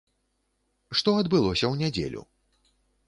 Што адбылося ў нядзелю?